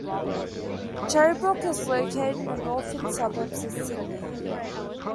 Cherrybrook is located in the Northern Suburbs of Sydney.